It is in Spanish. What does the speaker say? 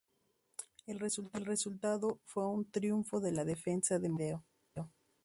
El resultado fue un triunfo de la "Defensa de Montevideo".